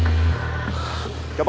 gue kira amat